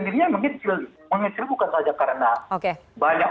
sendirinya mengecil mengecil bukan saja karena banyak